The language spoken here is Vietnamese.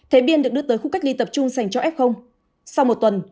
thế biên được đưa tới khu cách ly tập trung dành cho f sau một tuần